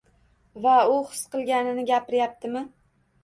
Va u his qilganini gapiryaptimi?